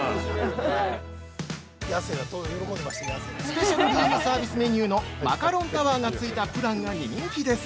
◆スペシャルルームサービスメニューのマカロンタワーがついたプランが人気です。